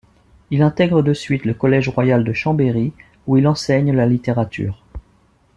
Il intègre de suite le Collège Royal de Chambéry où il enseigne la littérature.